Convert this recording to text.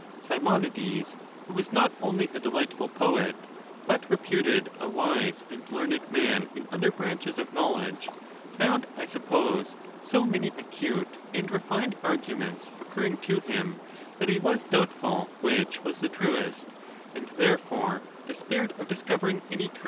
Simonides, who was not only a delightful poet, but reputed a wise and learned man in other branches of knowledge, found, I sup pose, so many acute and refined arguments occurring to him, that he was doubtful which was the truest, and there fore despaired of discovering any truth.